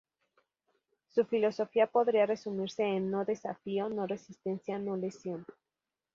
Su filosofía podría resumirse en "no Desafío, no Resistencia, no lesión".